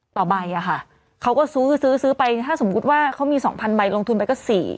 ต่อใบอ่ะค่ะเขาก็ซื้อซื้อซื้อไปถ้าสมมุติว่าเขามีสองพันใบลงทุนไปก็สี่